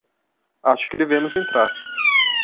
Acho que devemos entrar.